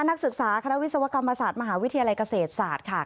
นักศึกษาคณะวิศวกรรมศาสตร์มหาวิทยาลัยเกษตรศาสตร์ค่ะ